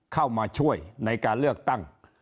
เข้ามาช่วยในการเลือกตั้ง